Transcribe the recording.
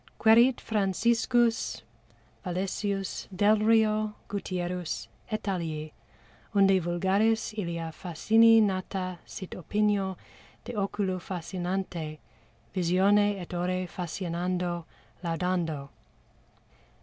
"Quærit Franciscus Valesius, Delrio, Gutierrus, et alii, unde vulgaris ilia fascini nata sit opinio de oculo fascinante visione et ore fascinando laudando."